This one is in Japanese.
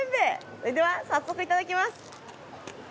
それでは早速頂きます。